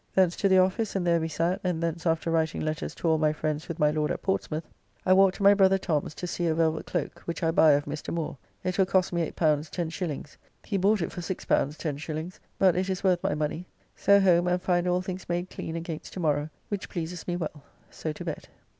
Thence to the office, and there we sat, and thence after writing letters to all my friends with my Lord at Portsmouth, I walked to my brother Tom's to see a velvet cloak, which I buy of Mr. Moore. It will cost me L8 10s.; he bought it for L6 10s., but it is worth my money. So home and find all things made clean against to morrow, which pleases me well. So to bed.